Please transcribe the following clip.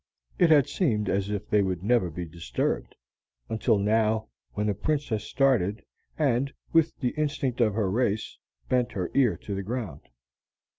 It had seemed as if they would never be disturbed, until now, when the Princess started, and, with the instinct of her race, bent her ear to the ground.